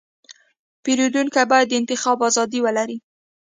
پیرودونکی باید د انتخاب ازادي ولري.